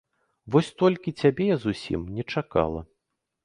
Вось толькі цябе я зусім не чакала.